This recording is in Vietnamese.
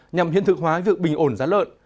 nhằm hiến thực hóa việc bình ổn giá lợn